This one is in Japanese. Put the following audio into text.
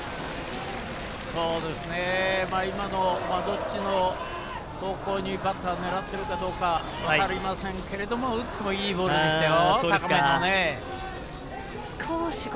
どっちの方向にバッターが狙っているか分かりませんが打ってもいいボールでしたよ。